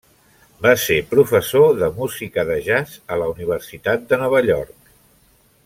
Va ser professor de música de jazz a la Universitat de Nova York.